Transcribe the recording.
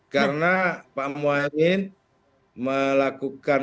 karena pak muhaymin melakukan ketentuan